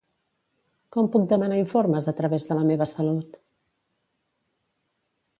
Com puc demanar informes a través de La meva salut?